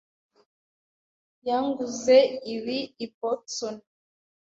yanguze ibi i Boston.